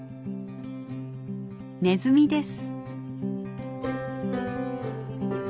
ネズミです。